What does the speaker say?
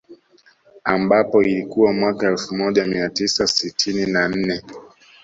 Ambapo ilikuwa mwaka elfu moja mia tisa sitini na nne